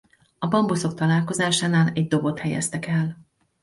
A bambuszok találkozásánál egy dobot helyeztek el.